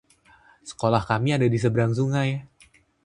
Sekolah kami ada di seberang sungai.